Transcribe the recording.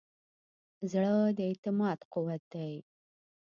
زړه د اعتماد قوت دی.